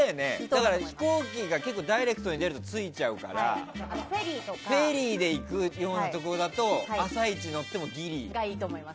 だから飛行機がダイレクトに着いちゃうからフェリーで行くようなところだと朝一で乗ってもギリ。